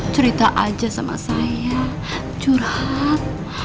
cerita aja sama saya curhat